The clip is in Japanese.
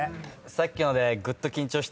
さっきのでぐっと緊張して。